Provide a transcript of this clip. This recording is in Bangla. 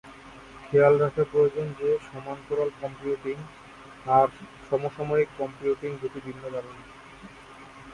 খেয়াল রাখা প্রয়োজন যে, সমান্তরাল কম্পিউটিং আর সমসাময়িক কম্পিউটিং দুটি ভিন্ন ধারণা।